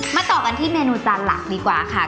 ต่อกันที่เมนูจานหลักดีกว่าค่ะ